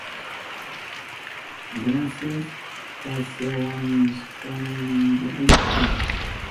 Grasias pasyawashkaykirayku.